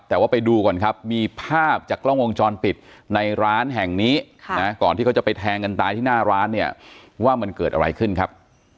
แต่ว่าไปดูก่อนครับมีภาพจากกล้องวงจรปิดในร้านแห่งนี้ก่อนที่เขาจะไปแทงกันตายที่หน้าร้านเนี่ยว่ามันเกิดอะไรขึ้นครับ